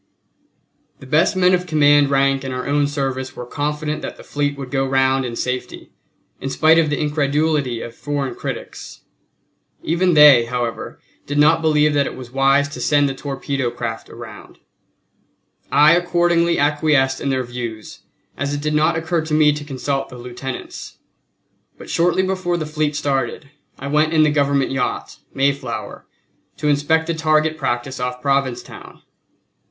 The best men of command rank in our own service were confident that the fleet would go round in safety, in spite of the incredulity of foreign critics. Even they, however, did not believe that it was wise to send the torpedo craft around. I accordingly acquiesced in their views, as it did not occur to me to consult the lieutenants. But shortly before the fleet started, I went in the Government yacht Mayflower to inspect the target practice off Provincetown.